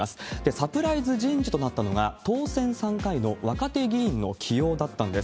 サプライズ人事となったのが、当選３回の若手議員の起用だったんです。